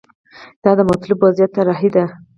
دا د مطلوب وضعیت طراحي ده.